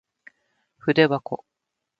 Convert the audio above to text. ふでばこ